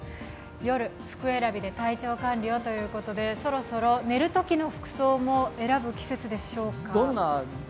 夜、服選びで体調管理をということでそろそろ寝るときの服装も選ぶ季節でしょうか。